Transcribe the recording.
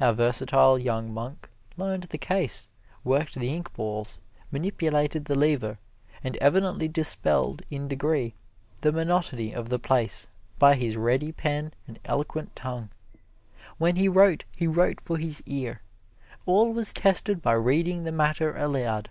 Our versatile young monk learned the case, worked the ink balls, manipulated the lever, and evidently dispelled, in degree, the monotony of the place by his ready pen and eloquent tongue. When he wrote, he wrote for his ear. All was tested by reading the matter aloud.